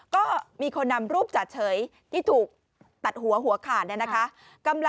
ก็มีคนนำรูปจ่าเฉยที่ถูกตัดหัวหัวขาดเนี่ยนะคะ